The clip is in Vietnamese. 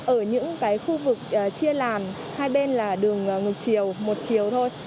ở những khu vực chia làm hai bên là đường ngược chiều một chiều thôi